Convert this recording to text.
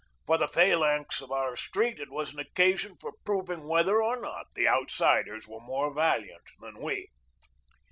For the phalanx of our street it was an occasion for proving whether or not the outsiders were more valiant than we.